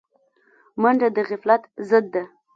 منډه د غفلت ضد ده